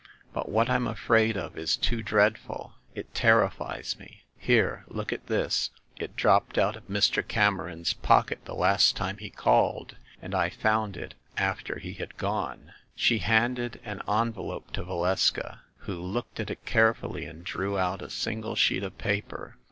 But what I'm afraid of is too dreadful; it terrifies me ! Here ! look at this ! It dropped out of Mr. Cameron's pocket the last time he called, and I found it after he had gone." She handed an envelope to Valeska, who looked at it carefully and drew out a single sheet of paper.